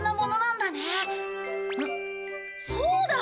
んそうだ！